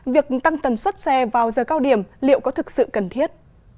việc tăng tần suất xe vào giờ cao điểm liệu có thực sự cần thiết